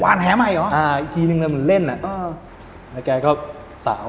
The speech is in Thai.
วานแห่ใหม่เหรออ่าอีกทีหนึ่งเลยมันเล่นอะแล้วแกก็สาว